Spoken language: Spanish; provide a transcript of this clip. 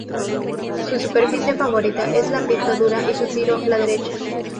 Su superficie favorita es la pista dura y su tiro la derecha.